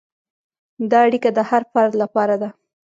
دا اړیکه د هر فرد لپاره ده.